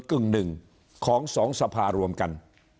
กึ่งหนึ่งของสองสภารวมกัน